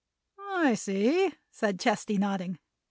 "I see," said Chesty, nodding.